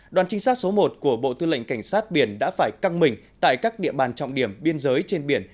đoàn trinh sát số một của bộ tư lệnh cảnh sát biển đã phải căng mình tại các địa bàn trọng điểm biên giới trên biển